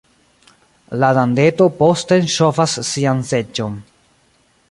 La dandeto posten ŝovas sian seĝon.